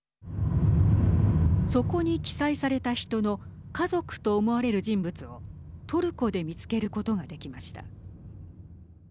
そこに記載された人の家族と思われる人物をトルコで見つけることができました。